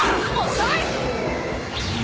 遅い！